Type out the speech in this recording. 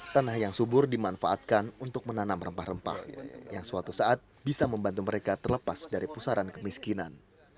tanah yang subur dimanfaatkan untuk menanam rempah rempah yang suatu saat bisa membantu mereka terlepas dari pusaran kemiskinan